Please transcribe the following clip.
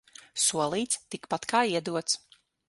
Solīts – tikpat kā iedots.